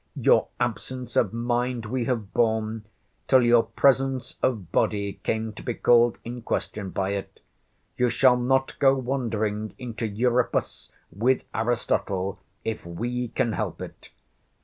Your absence of mind we have borne, till your presence of body came to be called in question by it. You shall not go wandering into Euripus with Aristotle, if we can help it.